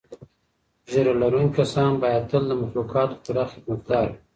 ږیره لرونکي کسان باید تل د مخلوقاتو پوره خدمتګار وي.